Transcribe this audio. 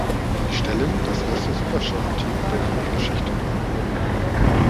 Sie stellen das erste Superschurken-Team der Comicgeschichte dar.